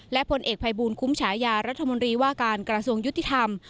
และผลเอกภัยบูลคุ้มฉายารัฐมนตรีว่าการกระทรวงยุติธรรม